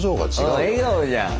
うん笑顔じゃん。